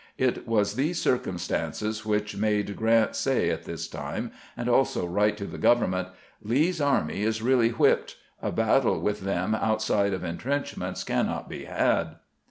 It was these circumstances which made Grant say at this time, and also write to the government: " Lee's army is really whipped. ... A battle with them outside of intrenchments cannot be had.